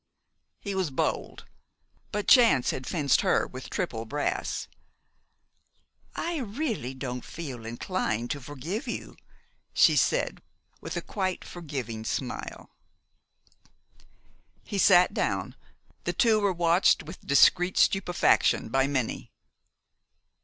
He was bold; but chance had fenced her with triple brass. "I really don't feel inclined to forgive you," she said, with a quite forgiving smile. He sat down. The two were watched with discreet stupefaction by many.